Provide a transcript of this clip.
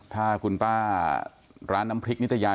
ถ้าคุณป้าร้านน้ำพริกนิตยา